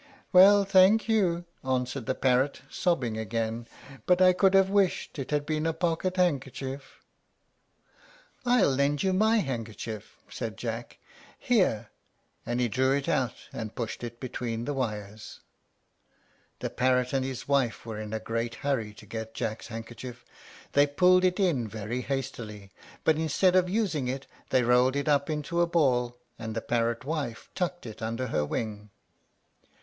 "Well, thank you," answered the parrot, sobbing again; "but I could have wished it had been a pocket handkerchief." "I'll lend you my handkerchief," said Jack. "Here!" And he drew it out, and pushed it between the wires. The parrot and his wife were in a great hurry to get Jack's handkerchief. They pulled it in very hastily; but instead of using it they rolled it up into a ball, and the parrot wife tucked it under her wing.